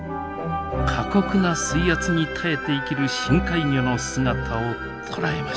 過酷な水圧に耐えて生きる深海魚の姿を捉えました。